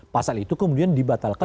pasal itu kemudian dibatalkan